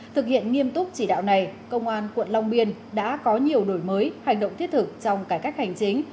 thực hiện nghiêm túc chỉ đạo này công an quận long biên đã có nhiều đổi mới hành động thiết thực trong cải cách hành chính